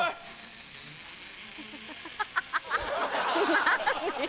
ハハハ何？